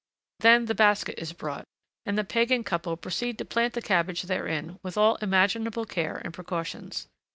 Then the basket is brought, and the pagan couple proceed to plant the cabbage therein with all imaginable care and precautions.